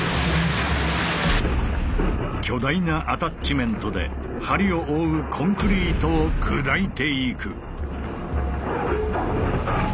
巨大なアタッチメントで梁を覆うコンクリートを砕いていく。